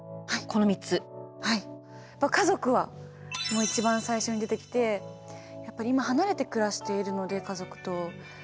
家族は一番最初に出てきてやっぱり今離れて暮らしているので家族と。